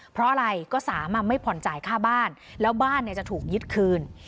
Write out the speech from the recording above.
เพราะอะไรก็๓ไม่ผ่อนจ่ายค่าบ้านแล้วบ้านจะถูกยึดคืน